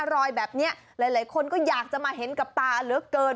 รอยแบบนี้หลายคนก็อยากจะมาเห็นกับตาเหลือเกิน